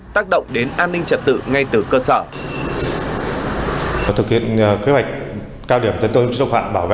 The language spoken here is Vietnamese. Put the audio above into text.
tác động đến an ninh trật tự ngay từ cơ sở